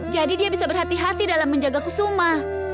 jadi dia bisa berhati hati dalam menjaga kusuma